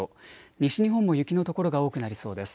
西日本も雪の所が多くなりそうです。